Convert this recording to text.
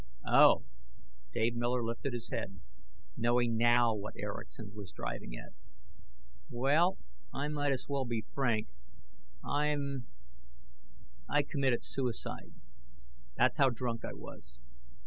"Oh!" Dave Miller lifted his head, knowing now what Erickson was driving at. "Well, I may as well be frank. I'm I committed suicide. That's how drunk I was.